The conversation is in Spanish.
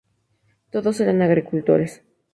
Todos eran agricultores.